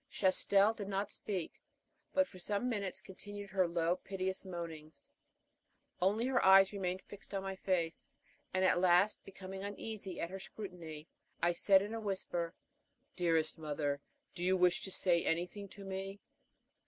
Chastel did not speak, but for some minutes continued her low, piteous moanings, only her eyes remained fixed on my face; and at last, becoming uneasy at her scrutiny, I said in a whisper: "Dearest mother, do you wish to say anything to me?"